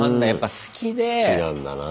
好きなんだなぁ。